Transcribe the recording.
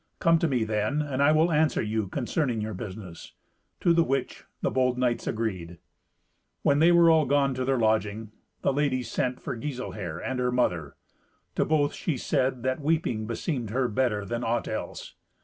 Come to me then; and I will answer you concerning your business." To the which the bold knights agreed. When they were all gone to their lodging, the lady sent for Giselher and her mother. To both she said that weeping beseemed her better than aught else.